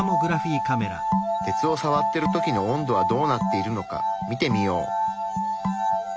鉄をさわってる時の温度はどうなっているのか見てみよう。